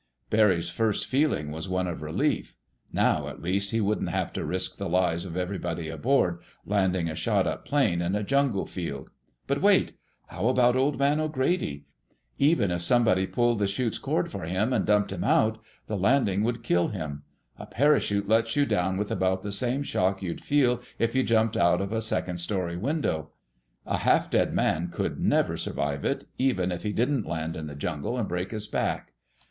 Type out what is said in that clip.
Barry's first feeling was one of relief. Now, at least, he wouldn't have to risk the lives of everybody aboard, landing a shot up plane on a jungle field. But, wait! How about Old Man O'Grady? Even if somebody pulled the chute's cord for him and dumped him out, the landing would kill him. A parachute lets you down with about the same shock you'd feel if you jumped out of a second story window. A half dead man could never survive it, even if he didn't land in the jungle and break his back.